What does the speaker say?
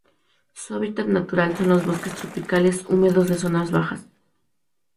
Su hábitat natural son los bosques tropicales húmedos de zonas bajas.